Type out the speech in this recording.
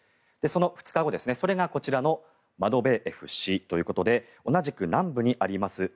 その２日後、それがこちらのマトベーエフ氏ということで同じく南部にあります